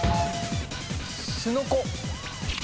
すのこ。